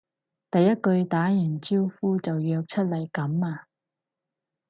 第一句打完招呼就約出嚟噉呀？